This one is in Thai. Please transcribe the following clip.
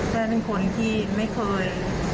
เป็นคนที่ไม่เคย